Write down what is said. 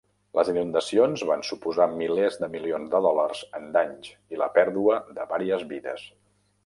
Les inundacions van suposar milers de milions de dòlars en danys i la pèrdua de varies vides.